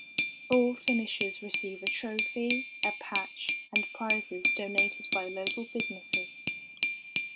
All finishers receive a trophy, a patch, and prizes donated by local businesses.